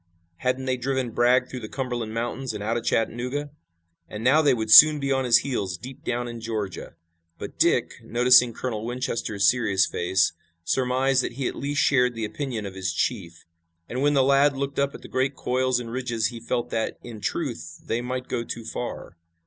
Hadn't they driven Bragg through the Cumberland Mountains and out of Chattanooga, and now they would soon be on his heels deep down in Georgia. But Dick, noticing Colonel Winchester's serious face, surmised that he at least shared the opinion of his chief. And when the lad looked up at the great coils and ridges he felt that, in truth, they might go too far.